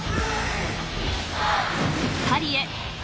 ［パリへ！